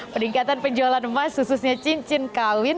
peningkatan penjualan emas khususnya cincin kawin